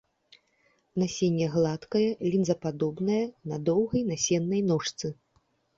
Насенне гладкае, лінзападобнае, на доўгай насеннай ножцы.